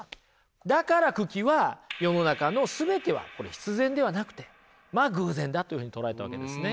だから九鬼は世の中の全てはこれ必然ではなくてまあ偶然だというふうに捉えたわけですね。